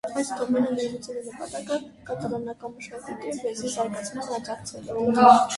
Այս դոմենը ներմուծելու նպատակը կատալոնական մշակույթի և լեզվի զարգացմանը աջակցելն է։